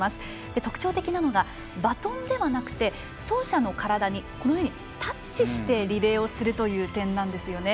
特徴的なのが、バトンではなくて走者の体にタッチしてリレーする点なんですね。